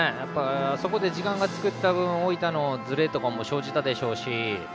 あそこで時間を作れた分大分のずれとかも生じたでしょうし。